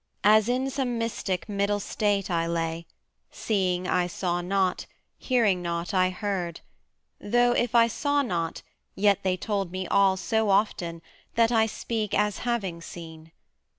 As in some mystic middle state I lay; Seeing I saw not, hearing not I heard: Though, if I saw not, yet they told me all So often that I speak as having seen.